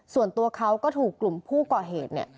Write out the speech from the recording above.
ส่วนตัวเขาก็ถูกกลุ่มผู้ก่อเหตุเนี่ย